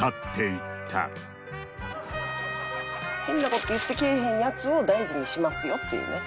変な事言ってけえへんヤツを大事にしますよっていうね。